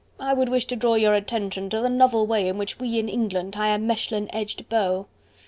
I would wish to draw your attention to the novel way in which we in England tie a Mechlin edged bow."